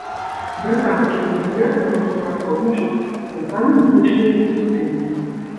Брытанскі мадэльер ўжо супрацоўнічаў з прадстаўнікамі музычнай індустрыі.